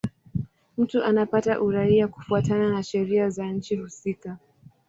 Mtu anapata uraia kufuatana na sheria za nchi husika.